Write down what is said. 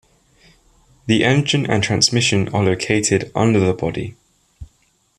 The engine and transmission are located under the body.